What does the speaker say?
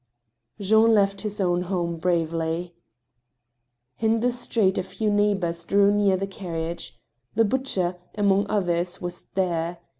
Jean left his own home bravely. In the street a few neighbors drew near the carriage. The butcher, among others, was there.